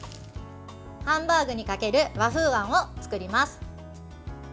ハンバーグにかける和風あんを作ります。